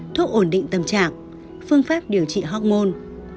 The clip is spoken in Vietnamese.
thuốc ổn định tâm trạng phương pháp điều trị hormôn